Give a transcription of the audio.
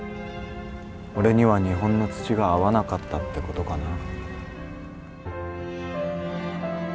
俺には日本の土が合わなかったってことかな。